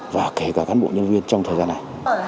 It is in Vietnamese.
và kể cả cán bộ nhân viên trong thời gian này